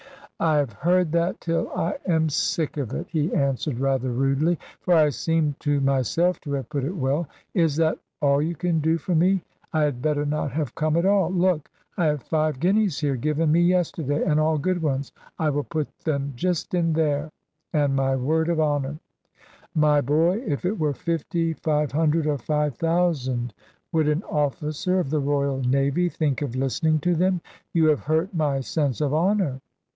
"I have heard that till I am sick of it," he answered rather rudely, for I seemed to myself to have put it well: "is that all you can do for me? I had better not have come at all. Look, I have five guineas here, given me yesterday, and all good ones. I will put them just in there and my word of honour " "My boy, if it were fifty, five hundred, or five thousand, would an officer of the Royal Navy think of listening to them? You have hurt my sense of honour."